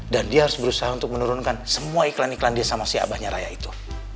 dan dia harus berusaha untuk menurunkan semua iklan iklan dia sama si abahnya raya itu